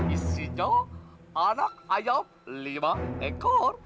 isinya anak ayam lima ekor